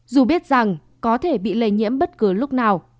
dù biết rằng có thể bị lây nhiễm bất cứ lúc nào